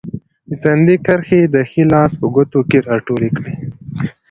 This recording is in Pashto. د تندي کرښې یې د ښي لاس په ګوتو کې راټولې کړې.